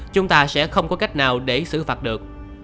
chúng ta sẽ không có cách nào để xử phạt được